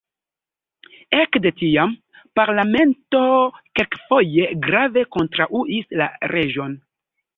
Ekde tiam, parlamento kelkfoje grave kontraŭis la reĝon.